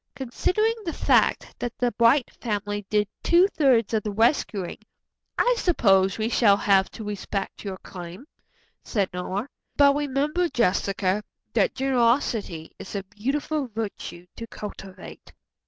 "Considering the fact that the Bright family did two thirds of the rescuing, I suppose we shall have to respect your claim," said Nora, "but remember, Jessica, that generosity is a beautiful virtue to cultivate."